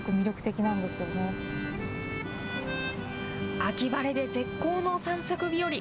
秋晴れで絶好の散策日和。